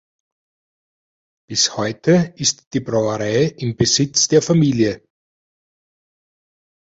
Bis heute ist die Brauerei im Besitz der Familie.